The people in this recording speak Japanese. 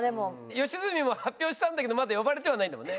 吉住も発表したんだけどまだ呼ばれてはないんだもんね？